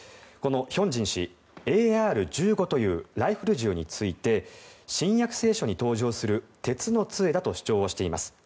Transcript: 亨進氏、ＡＲ１５というライフル銃について新約聖書に登場する鉄の杖だと主張しています。